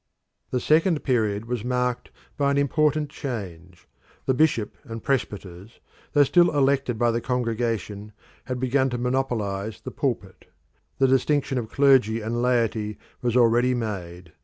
The second period was marked by an important change. The bishop and presbyters, though still elected by the congregation, had begun to monopolise the pulpit; the distinction of clergy and laity was already made.